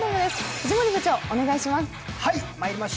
藤森部長お願いします。